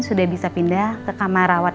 sudah bisa pindah ke kamar rawat